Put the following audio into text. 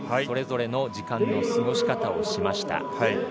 それぞれの時間の過ごし方をしました。